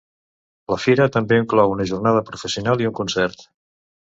La fira també inclou una jornada professional i un concert.